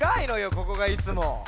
ここがいつも。